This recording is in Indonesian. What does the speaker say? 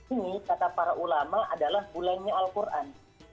ini kata para ulama adalah bulannya al quran